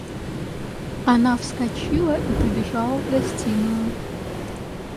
Она вскочила и побежала в гостиную.